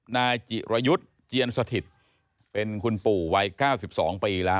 นายจิรยุทธ์เจียนสถิตเป็นคุณปู่วัย๙๒ปีแล้ว